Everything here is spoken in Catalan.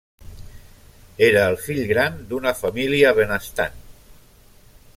Era el fill gran d'una família benestant.